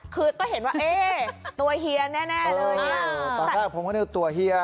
คือก็เห็นว่าเอยตัวเฮียแน่แน่เลยอ่าเท่ากับผมก็นึกว่าตัวเฮีย